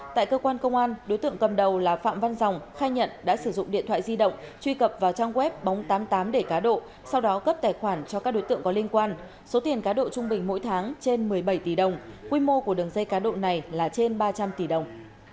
tại cơ quan công an đối tượng cầm đầu là phạm văn rồng khai nhận đã sử dụng điện thoại di động truy cập vào trang web bóng tám mươi tám để cá độ sau đó cấp tài khoản cho các đối tượng có liên quan số tiền cá độ trung bình mỗi tháng trên một mươi bảy tỷ đồng quy mô của đường dây cá độ này là trên ba trăm linh tỷ đồng